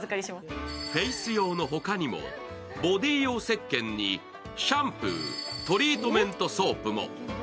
フェイス用のほかにもボディ用せっけんにシャンプー、トリートメントソープも。